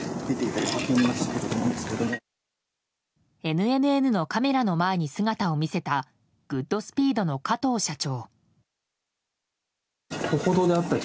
ＮＮＮのカメラの前に姿を見せたグッドスピードの加藤社長。